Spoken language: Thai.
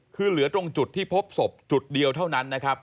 คือเหลือตรงจุดที่พบศพจุดเดียวเท่านั้นนะครับ